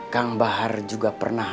kang bahar juga pernah